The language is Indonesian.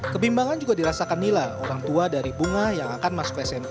kebimbangan juga dirasakan nila orang tua dari bunga yang akan masuk smp